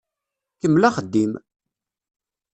Kemmel axeddim!